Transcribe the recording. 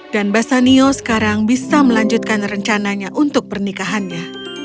dan bassanio sekarang bisa melanjutkan rencananya untuk pernikahannya